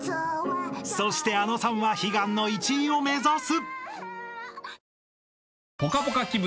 ［そしてあのさんは悲願の１位を目指す！］